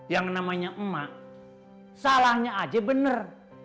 yang namanya emak salahnya aja benar